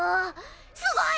すごい！